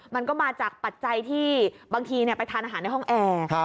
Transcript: มันก็มาจากปัจจัยที่บางทีไปทานอาหารในห้องแอร์